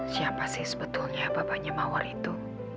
siapa sih sebetulnya bapaknya mawar itu